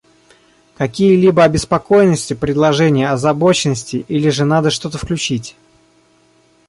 Какие-либо обеспокоенности, предложения, озабоченности, или же надо что-то включить?